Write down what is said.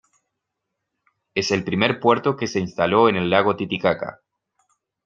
Es el primer puerto que se instaló en el Lago Titicaca.